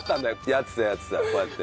やってたやってたこうやって。